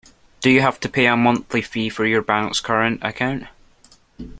Do you have to pay a monthly fee for your bank’s current account?